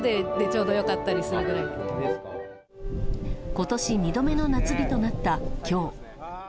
今年２度目の夏日となった今日。